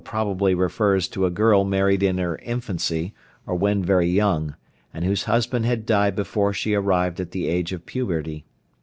FOOTNOTE: [Footnote 53: This probably refers to a girl married in her infancy, or when very young, and whose husband had died before she arrived at the age of puberty.